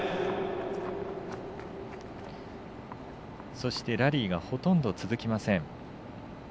そしてラリーがほとんど続きません。